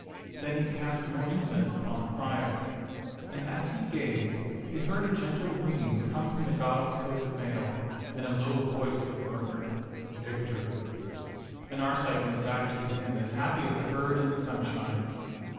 Then he cast more incense upon the fire. And as he gazed, he heard a gentle ringing come from the god's coat of mail, and a low voice that murmured, "Victory"; and Arcite went back to his inn as happy as a bird in the sunshine.